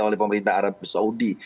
oleh pemerintah arab saudi